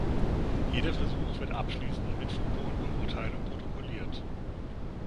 Jeder Versuch wird abschließend mit Foto und Beurteilung protokolliert.